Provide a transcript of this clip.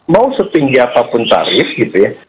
mau setinggi apapun tarif gitu ya